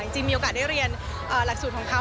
จริงมีโอกาสได้เรียนหลักสูตรของเขา